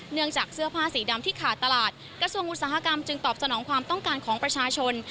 จากเสื้อผ้าสีดำที่ขาดตลาดกระทรวงอุตสาหกรรมจึงตอบสนองความต้องการของประชาชน